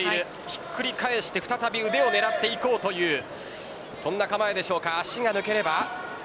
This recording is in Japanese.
ひっくり返して再び腕を狙っていこうというそんな構えでしょうか。